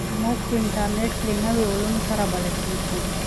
موږ په انټرنیټ کې له نویو علومو سره بلدېږو.